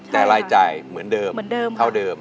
แต่รายจ่ายเหมือนเดิมเท่าเดิม